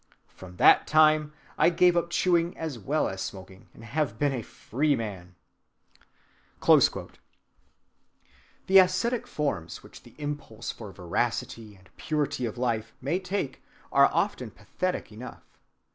From that time I gave up chewing as well as smoking, and have been a free man." The ascetic forms which the impulse for veracity and purity of life may take are often pathetic enough.